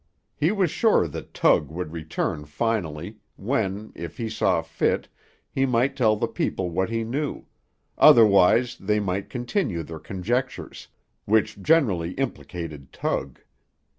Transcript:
He was sure that Tug would return finally, when, if he saw fit, he might tell the people what he knew; otherwise they might continue their conjectures, which generally implicated Tug.